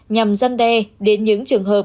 nhằm dăn đe đến những trường hợp